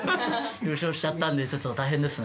優勝しちゃったんでちょっと大変ですね。